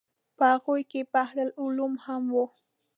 په هغو کې بحر العلوم هم و.